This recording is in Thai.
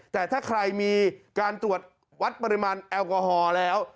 แต่ถ้าใครมีการตรวจวัดปริมาณแอลกอฮอล์แล้ว